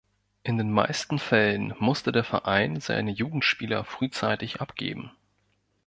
In den meisten Fällen musste der Verein seine Jugendspieler frühzeitig abgeben.